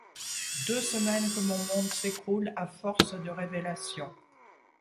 Deux semaines que mon monde s’écroule à force de révélations.